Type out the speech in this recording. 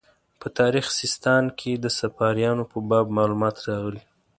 په تاریخ سیستان کې د صفاریانو په باب معلومات راغلي.